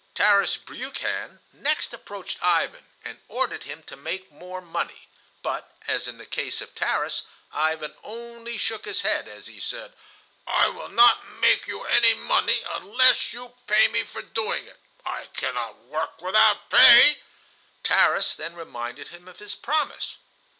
Tarras Briukhan next approached Ivan and ordered him to make more money; but, as in the case of Tarras, Ivan only shook his head, as he said: "I will not make you any money unless you pay me for doing it. I cannot work without pay." Tarras then reminded him of his promise.